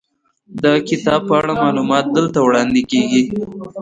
د کتاب په اړه معلومات دلته وړاندې کیږي.